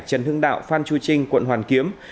trần hưng đạo phan chu trinh quận hoàn kiếm